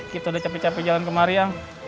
kita udah capek capek jalan kemari ang